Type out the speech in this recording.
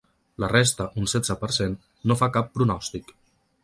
La resta, un setze per cent, no fa cap pronòstic.